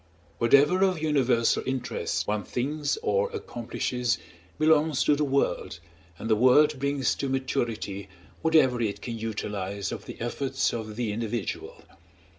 Whatever of universal interest one thinks or accomplishes belongs to the world, and the world brings to maturity whatever it can utilize of the efforts of the individual.